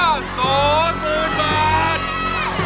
โลกใจโลกใจได้ออก